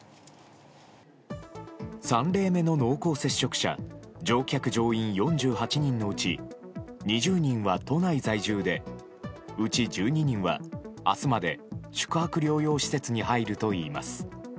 ３例目の濃厚接触者乗客・乗員４８人のうち２０人は都内在住でうち１２人は明日まで宿泊療養施設に入るといいます。